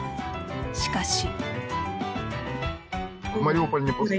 しかし。